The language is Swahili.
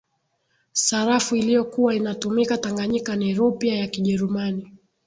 sarafu iliyokuwa inatumika tanganyika ni rupia ya kijerumani